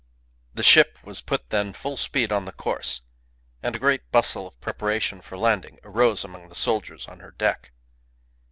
The ship was put then full speed on the course, and a great bustle of preparation for landing arose among the soldiers on her deck.